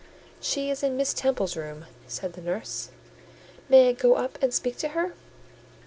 "She is in Miss Temple's room," said the nurse. "May I go up and speak to her?"